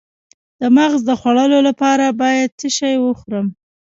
د مغز د خوړو لپاره باید څه شی وخورم؟